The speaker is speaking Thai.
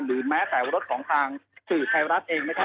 แม้แต่รถของทางสื่อไทยรัฐเองนะครับ